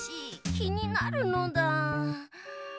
きになるのだ。